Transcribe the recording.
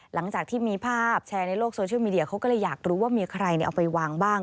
หลังจากที่มีภาพแชร์ในโลกโซเชียลมีเดียเขาก็เลยอยากรู้ว่ามีใครเอาไปวางบ้าง